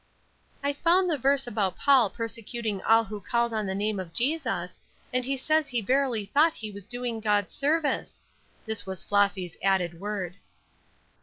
"I found that verse about Paul persecuting all who called on the name of Jesus, and he says he verily thought he was doing God's service." This was Flossy's added word.